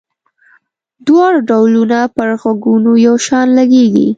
دواړه ډولونه پر غوږونو یو شان لګيږي.